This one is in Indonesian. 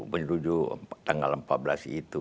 menuju tanggal empat belas itu